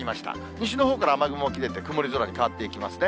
西のほうから雨雲沖に出て、曇り空に変わっていきますね。